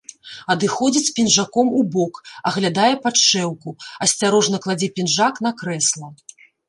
Адыходзіць з пінжаком убок, аглядае падшэўку, асцярожна кладзе пінжак на крэсла.